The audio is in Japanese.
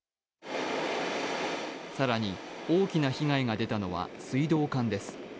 更に大きな被害が出たのは水道管です。